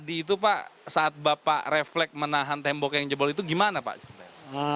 tadi itu pak saat bapak refleks menahan tembok yang jebol itu gimana pak sebenarnya